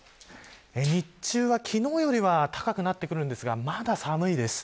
日中は昨日よりは高くなってくるんですがまだ寒いです。